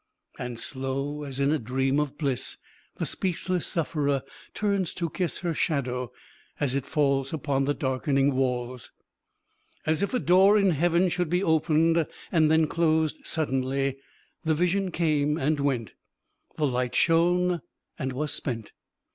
And slow, as in a dream of bliss, The speechless sufferer turns to kiss Her shadow, as it falls Upon the darkening walls. As if a door in heaven should be Opened and then closed suddenly, The vision came and went, The light shone and was spent.